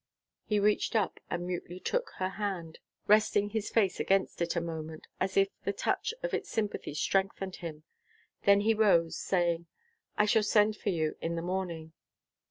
He reached up and mutely took her hand, resting his face against it a moment, as if the touch of its sympathy strengthened him. Then he rose, saying, "I shall send for you in the morning."